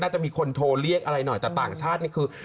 จะมีคนโทรเรียกอะไรหน่อยแต่ต่างชาตินี่คือ